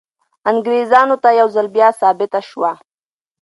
انګریزانو ته یو ځل بیا ثابته شوه.